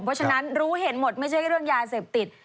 เพราะฉะนั้นรู้เห็นหมดไม่ใช่เรื่องยาเสพติด